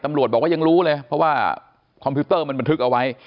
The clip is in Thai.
ตำรวจบอกว่ายังรู้เลยเพราะว่าคอมพิวเตอร์มันบันทึกเอาไว้